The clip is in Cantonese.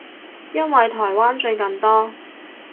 因為台灣最近多